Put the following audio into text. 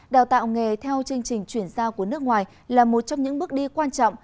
đào tạo nghề theo chương trình chuyển giao của nước ngoài là một trong những bước đi quan trọng